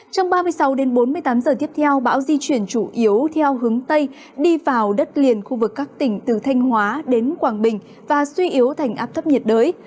trong ba mươi sáu đến bốn mươi tám giờ tiếp theo bão di chuyển chủ yếu theo hướng tây đi vào đất liền khu vực các tỉnh từ thanh hóa đến quảng bình và suy yếu thành áp thấp nhiệt đới